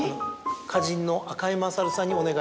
花人の赤井勝さんにお願いして。